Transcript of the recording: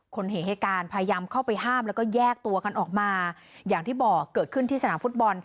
คนเห็นเหตุการณ์พยายามเข้าไปห้ามแล้วก็แยกตัวกันออกมาอย่างที่บอกเกิดขึ้นที่สนามฟุตบอล